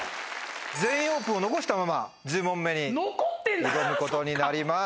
「全員オープン」を残したまま１０問目に挑むことになります。